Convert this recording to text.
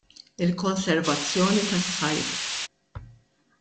Il-Konservazzjoni tas-Sajd.